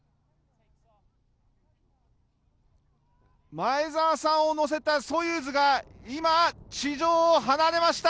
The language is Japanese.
前澤さんを乗せたソユーズが今、地上を離れました。